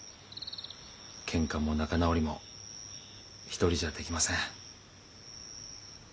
けんかも仲直りも一人じゃできません。